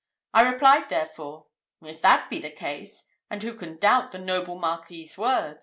I replied, therefore, "If that be the case and who can doubt the noble Marquis's word?